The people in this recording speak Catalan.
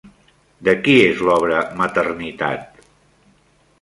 De qui és l'obra Maternitat?